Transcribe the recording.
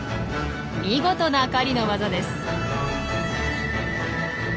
見事な狩りの技です。